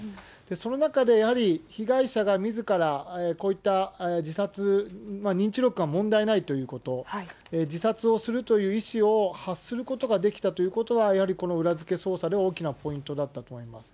その中でやはり被害者がみずからこういった自殺、認知力は問題ないということ、自殺をするという意思を発することができたということは、やはりこの裏付け捜査で大きなポイントだったと思います。